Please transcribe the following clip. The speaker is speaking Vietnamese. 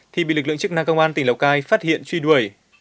thì bị lực lượng chức năng công an tỉnh lào cai phát hiện truy đuổi